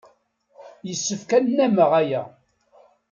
Yessefk ad nnameɣ aya.